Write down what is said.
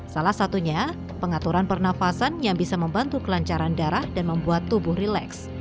salah satunya pengaturan pernafasan yang bisa membantu kelancaran darah dan membuat tubuh rileks